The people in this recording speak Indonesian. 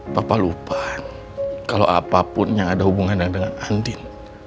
papa lupa kalau apapun yang ada hubungannya dengan andin